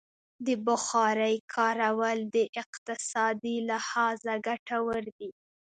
د بخارۍ کارول د اقتصادي لحاظه ګټور دي.